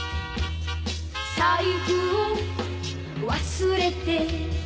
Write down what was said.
「財布を忘れて」